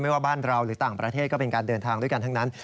ว่าบ้านเราหรือต่างประเทศก็เป็นการเดินทางด้วยกันทั้งนั้น